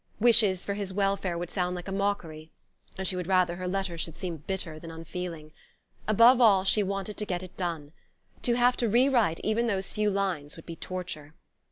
Wishes for his welfare would sound like a mockery and she would rather her letter should seem bitter than unfeeling. Above all, she wanted to get it done. To have to re write even those few lines would be torture.